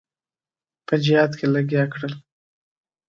په جهاد لګیا کړل.